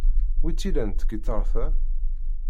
Wi-tt-ilan tgitart-a?